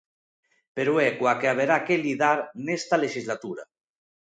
Pero é coa que haberá que lidar nesta lexislatura.